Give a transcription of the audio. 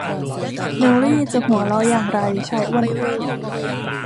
เนลลีจะหัวเราะอย่างไร ชายอ้วนพูด